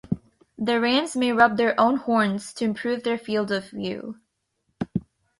The rams may rub their own horns to improve their field of view.